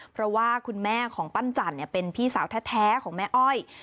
เพราะว่าคุณแม่ของปั้นจันทร์เป็นพี่สาวแท้ของแม่อ้อย